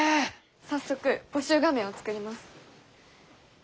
早速募集画面を作ります。